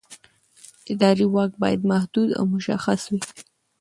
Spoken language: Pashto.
اداري واک باید محدود او مشخص وي.